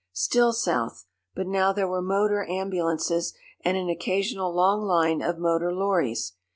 Still south. But now there were motor ambulances and an occasional long line of motor lorries.